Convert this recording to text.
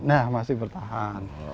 nah masih bertahan